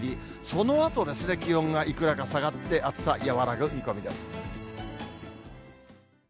そのあとですね、気温がいくらか下がって、暑さ和らぐ見込みです。